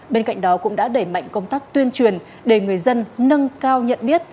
bên cạnh đó cũng đã đẩy mạnh công tác tuyên truyền để người dân nâng cao nhận biết